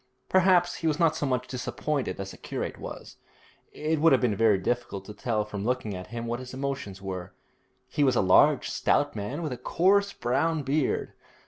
Perhaps he was not so much disappointed as the curate was. It would have been very difficult to tell from looking at him what his emotions were. He was a stout large man with a coarse brown beard.